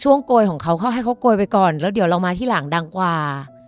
โกยของเขาเขาให้เขาโกยไปก่อนแล้วเดี๋ยวเรามาที่หลังดังกว่า